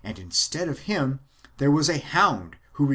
instead of him there was a hound 365 CAP.